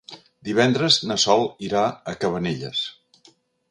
Divendres na Sol irà a Cabanelles.